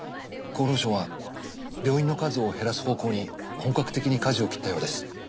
厚労省は病院の数を減らす方向に本格的にかじを切ったようです。